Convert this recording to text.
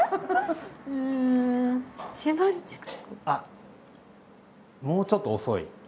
あもうちょっと遅い。